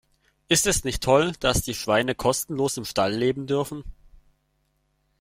Ist es nicht toll, dass die Schweine kostenlos im Stall leben dürfen?